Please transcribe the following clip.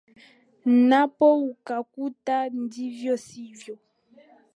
Napo ukakuta ndivyo sivyo.